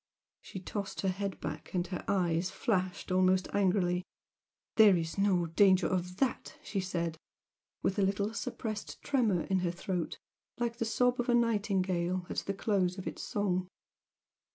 She tossed her head back, and her eyes flashed almost angrily. "There's no danger of that!" she said, with a little suppressed tremor in her throat like the sob of a nightingale at the close of its song.